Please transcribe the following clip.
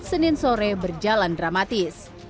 senin sore berjalan dramatis